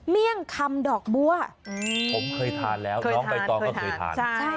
เลี่ยงคำดอกบัวผมเคยทานแล้วน้องใบตองก็เคยทาน